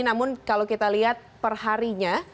namun kalau kita lihat perharinya